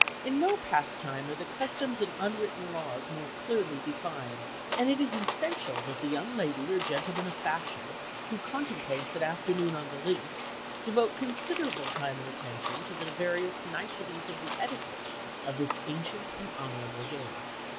In no pastime are the customs and unwritten laws more clearly defined, and it is essential that the young lady or gentleman of fashion who contemplates an afternoon on the "links" devote considerable time and attention to the various niceties of the etiquette of this ancient and honorable game.